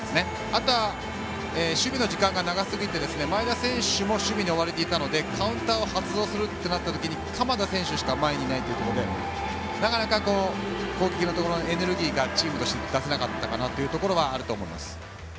あとは守備の時間が長すぎて前田選手も守備に追われていたのでカウンターが発動した時に鎌田選手しか前にいないということでなかなか攻撃のエネルギーがチームとして出せなかったところあると思います。